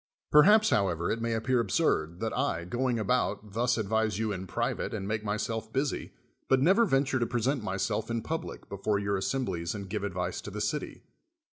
Perhaps, however, it may appear absurd, that I, going about, thus advise you in private and make myself busy, but never venture to present myself in public before your assemblies and give advice to the city.